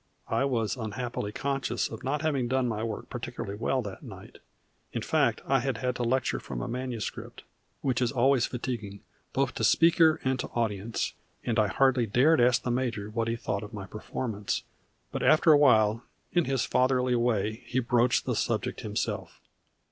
I was unhappily conscious of not having done my work particularly well that night in fact I had had to lecture from a manuscript, which is always fatiguing both to speaker and to audience, and I hardly dared ask the major what he thought of my performance but after awhile in his fatherly way he broached the subject himself.